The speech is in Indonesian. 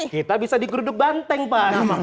kita bisa digeruduk banteng pak